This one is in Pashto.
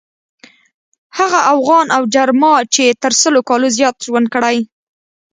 هغه اوغان او جرما چې تر سلو کالو زیات ژوند کړی.